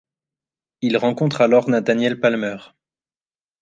Il rencontre alors Nathaniel Palmer.